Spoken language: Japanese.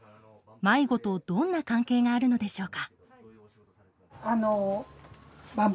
迷子とどんな関係があるのでしょうか。